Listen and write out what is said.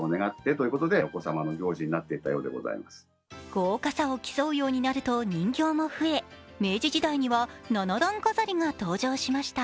豪華さを競うようになると人形も増え、明治時代には７段飾りが登場しました。